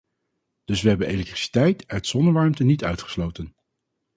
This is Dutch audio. Dus we hebben elektriciteit uit zonnewarmte niet uitgesloten.